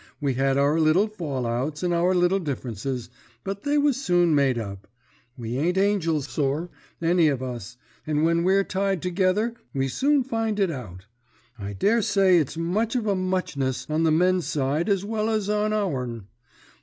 We had our little fall outs and our little differences, but they was soon made up. We ain't angels, sir, any of us, and when we're tied together we soon find it out. I daresay it's much of a muchness on the men's side as well as on our'n.